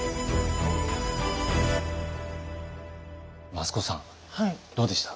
益子さんどうでした？